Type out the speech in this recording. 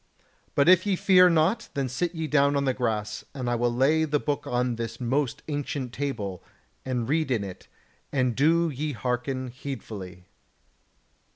But if ye fear not, then sit ye down on the grass, and I will lay the book on this most ancient table, and read in it, and do ye hearken heedfully."